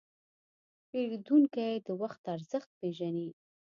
پیرودونکی د وخت ارزښت پېژني.